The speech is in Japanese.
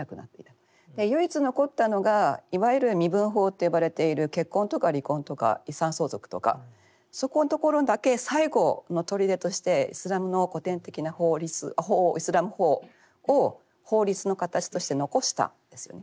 唯一残ったのがいわゆる「身分法」と呼ばれている結婚とか離婚とか遺産相続とかそこのところだけ最後の砦としてイスラムの古典的な法律イスラム法を法律の形として残したんですよね。